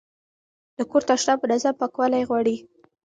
د کور تشناب منظم پاکوالی غواړي.